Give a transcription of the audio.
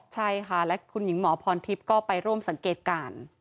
ใช่ค่ะและคุณหญิงหมอพรทิพย์ก็ไปร่วมสังเกตการณ์